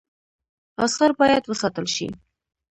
آثار باید وساتل شي